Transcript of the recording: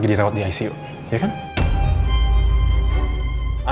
gaknsin dialim lelita